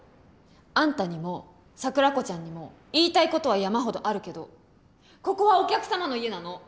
あんたにも桜子ちゃんにも言いたいことは山ほどあるけどここはお客様の家なの。